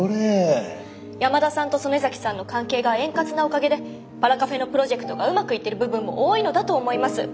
山田さんと曽根崎さんの関係が円滑なおかげでパラカフェのプロジェクトがうまくいってる部分も多いのだと思います。